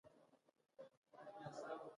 خو که يو څه موده خپل جرم ته دوام ورکړي.